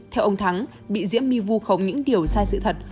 theo ông thắng bị diễm my vu khống những điều sai sự thật